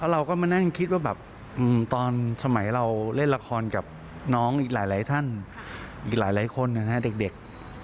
เราก็มานั่งคิดว่าแบบตอนสมัยเราเล่นละครกับน้องอีกหลายท่านอีกหลายคนนะฮะเด็ก